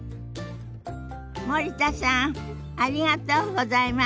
森田さんありがとうございました。